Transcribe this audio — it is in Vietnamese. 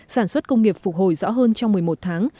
sản xuất công nghiệp phục hồi rõ hơn trong một mươi một tháng